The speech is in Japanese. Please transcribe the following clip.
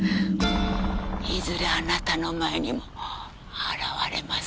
いずれあなたの前にも現れますよ。